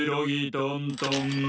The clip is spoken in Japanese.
トントン